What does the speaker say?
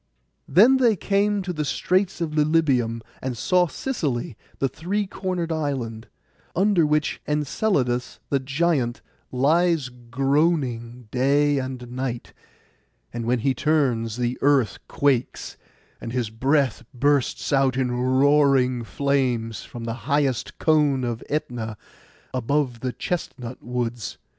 Then they came to the straits by Lilybæum, and saw Sicily, the three cornered island, under which Enceladus the giant lies groaning day and night, and when he turns the earth quakes, and his breath bursts out in roaring flames from the highest cone of Ætna, above the chestnut woods.